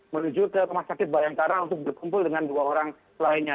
menuju ke rumah sakit bayangkara untuk berkumpul dengan dua orang lainnya